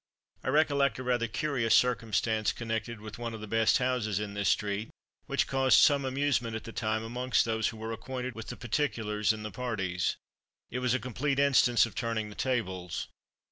I recollect a rather curious circumstance, connected with one of the best houses in this street, which caused some amusement at the time amongst those who were acquainted with the particulars and the parties. It was a complete instance of "turning the tables."